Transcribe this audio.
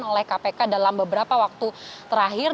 ini sudah dilakukan oleh kpk dalam beberapa waktu terakhir